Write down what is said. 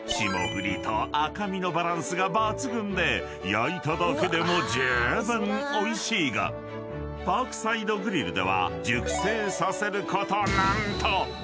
［焼いただけでもじゅうぶんおいしいがパークサイド・グリルでは］